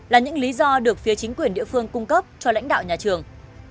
là những lý do được phía chính quyền địa phương cung cấp cho lãnh đạo nhà trường